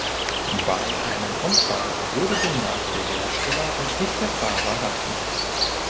Bei einem Unfall würde demnach der Hersteller und nicht der Fahrer haften.